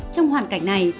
trong hoàn cảnh này